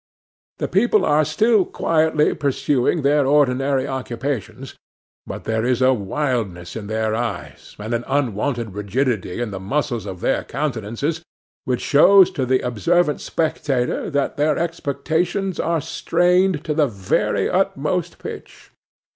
The people are still quietly pursuing their ordinary occupations; but there is a wildness in their eyes, and an unwonted rigidity in the muscles of their countenances, which shows to the observant spectator that their expectations are strained to the very utmost pitch.